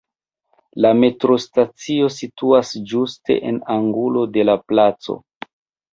La metrostacio situas ĝuste en angulo de la placo.